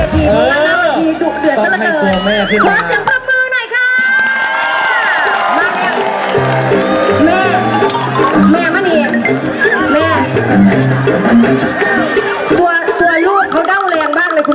ทีมกับภาพเวทีของเราดุเดือนซับสับไป